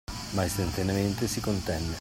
Ma istantaneamente si contenne.